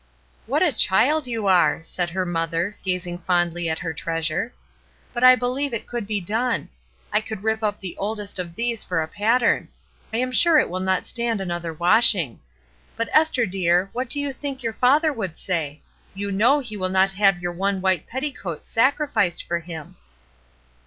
'^What a child you are!" said her mother, gazing fondly at her treasure. ''But I believe it could be done. I coul4,rip up the oldest of these for a pattern; I am sure it will not stand another washing. But Esther, dear, what do you think your father would say? You know he will not have your one white petticoat sacri ficed for him."